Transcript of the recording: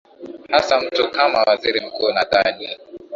hasa mtu kama waziri mkuu nadhani